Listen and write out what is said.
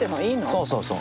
そうそうそう。